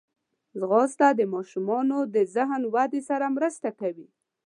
ځغاسته د ماشومانو د ذهن ودې سره مرسته کوي